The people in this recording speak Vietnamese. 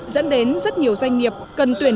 dẫn đến rất nhiều doanh nghiệp cần tuyển